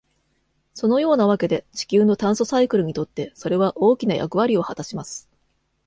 そのようなわけで、地球の炭素サイクルにとってそれは大きな役割を果たします。